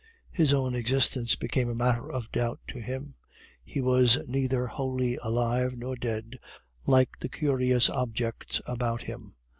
His own existence became a matter of doubt to him; he was neither wholly alive nor dead, like the curious objects about him.